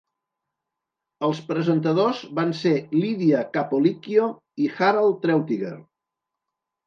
Els presentadors van ser Lydia Cappolicchio i Harald Treutiger.